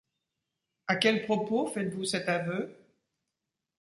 À quel propos faites-vous cet aveu?